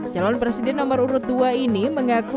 calon presiden nomor urut dua ini mengaku